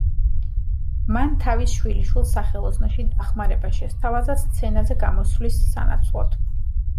მან თავის შვილიშვილს სახელოსნოში დახმარება შესთავაზა სცენაზე გამოსვლის სანაცვლოდ.